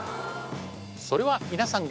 それはみなさん